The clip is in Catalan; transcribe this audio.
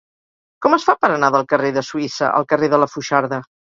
Com es fa per anar del carrer de Suïssa al carrer de la Foixarda?